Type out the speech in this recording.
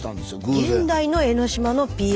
現代の江の島のＰＲ。